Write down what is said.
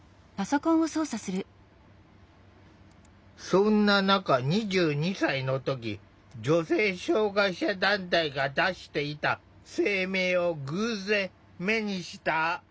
そんな中２２歳の時女性障害者団体が出していた声明を偶然目にした。